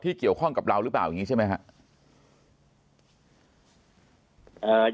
เกี่ยวข้องกับเราหรือเปล่าอย่างนี้ใช่ไหมครับ